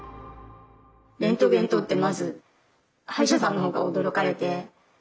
レントゲン撮ってまず歯医者さんの方が驚かれて。